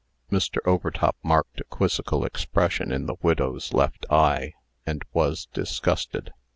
Mr. Overtop marked a quizzical expression in the widow's left eye, and was disgusted.